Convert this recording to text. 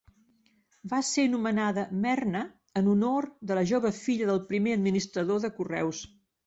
Va ser nomenada Merna en honor de la jove filla del primer administrador de correus.